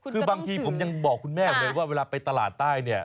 คือบางทีผมยังบอกคุณแม่เลยว่าเวลาไปตลาดใต้เนี่ย